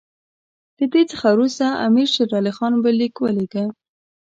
له دې څخه وروسته امیر شېر علي خان بل لیک ولېږه.